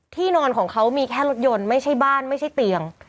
นอนของเขามีแค่รถยนต์ไม่ใช่บ้านไม่ใช่เตียง